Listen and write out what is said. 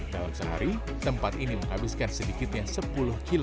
dalam sehari tempat ini menghabiskan sedikitnya sepuluh kg